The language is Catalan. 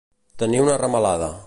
Tenir una ramalada.